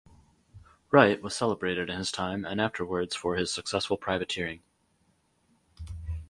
Wright was celebrated in his time and afterwards for his successful privateering.